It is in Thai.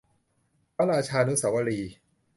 พระราชานุสาวรีย์